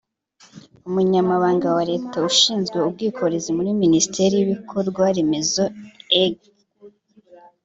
Umunyamabanga wa Leta ushinzwe ubwikorezi muri Minisiteri y’Ibikorwaremezo Eng